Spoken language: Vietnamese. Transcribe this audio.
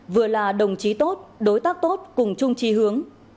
vừa là đồng chí tốt đối tác tốt cùng chung chi hướng